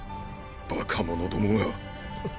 馬鹿者どもが。